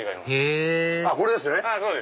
へぇこれですね。